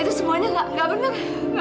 itu semuanya enggak benar